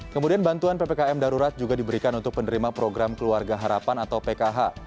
kemudian bantuan ppkm darurat juga diberikan untuk penerima program keluarga harapan atau pkh